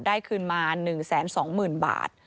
ได้คืนมา๑๒๐๐๐๐บาท